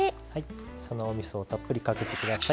そのおみそをたっぷりかけて下さい。